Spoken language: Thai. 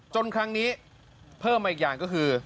ครั้งนี้เพิ่มมาอีกอย่างก็คือ